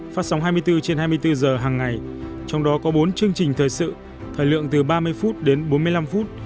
phát sóng hai mươi bốn trên hai mươi bốn giờ hàng ngày trong đó có bốn chương trình thời sự thời lượng từ ba mươi phút đến bốn mươi năm phút